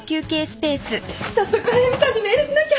早速速見さんにメールしなきゃ。